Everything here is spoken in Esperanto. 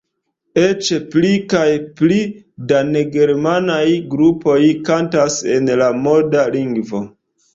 Eĉ pli kaj pli da negermanaj grupoj kantas en la moda lingvo.